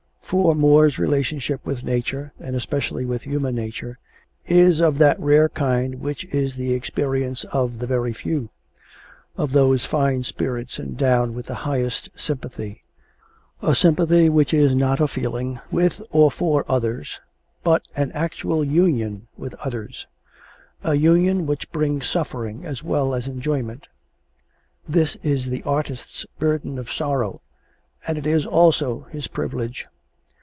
For Moore's relationship with nature, and especially with human nature, is of that rare kind which is the experience of the very few of those fine spirits endowed with the highest sympathy a sympathy which is not a feeling with or for others but an actual union with others, a union which brings suffering as well as enjoyment. This is the artist's burden of sorrow and it is also his privilege.